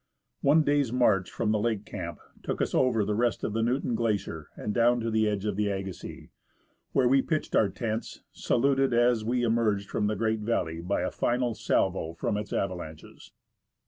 One day's march from the Lake Camp took us over the rest of the Newton Glacier and down to the edge of the Agassiz, where we pitched our tents, saluted, as we emerged from the great valley, by a final salvo from its avalanches.